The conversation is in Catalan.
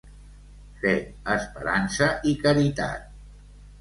Fe, esperança i caritat.